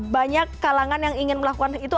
banyak kalangan yang ingin melakukan itu